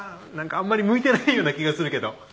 何かあんまり向いてないような気がするけど。